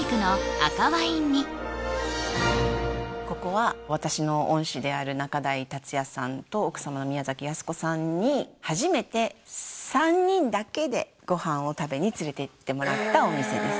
ここは私の恩師である仲代達矢さんと奥様の宮崎恭子さんにご飯を食べに連れて行ってもらったお店です